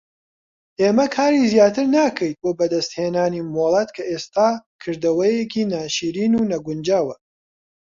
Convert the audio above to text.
ئێمە کاری زیاتر ناکەیت بۆ بەدەستهێنانی مۆڵەت کە ئێستا کردەوەیەکی ناشرین و نەگونجاوە.